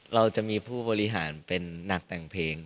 เราจะมีผู้บริหารเป็นนักแต่งเพลง